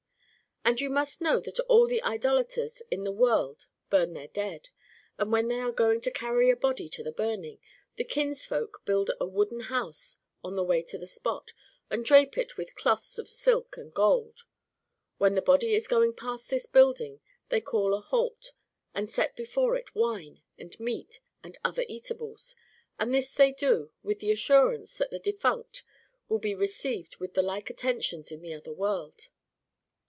^ And you must know that all the Idolaters in the world bum their dead. And when they are going to carry a body to the burning, the kinsfolk build a wooden house on the way to the spot, and drape it with cloths of silk and gold. When the body is going past this building they call a halt and set before it wine and meat and other eatables : and this they do with the assurance that the defunct will be received with the like attentions in the other world.